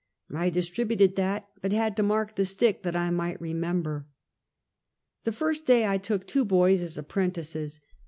I distributed that, but had to mark the stick that I might remember. The first day I took two boys as apprentices.